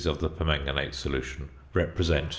of the permanganate solution represent 0.